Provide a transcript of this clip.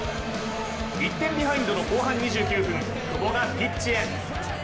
１点ビハインドの後半２９分久保がピッチへ。